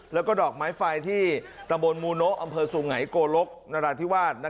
แล้วก็ดอกไม้ไฟที่ตะบนมูโนะอำเภอสูงไหนโกลกนราธิวาส